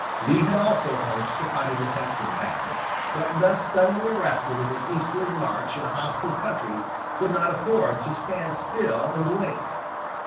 Lee had also hoped to fight a defensive battle; but thus suddenly arrested in his eastward march in a hostile country, could not afford to stand still and wait.